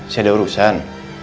saya ada urusan